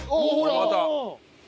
また！